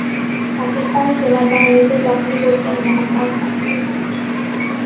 পাকিস্তান সেনাবাহিনীতে চাকরি করতেন মোহাম্মদ আবদুল মান্নান।